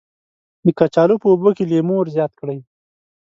د کچالو په اوبو کې لیمو ور زیات کړئ.